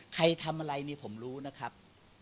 ใครทำอะไรนี่ผมรู้นะครับ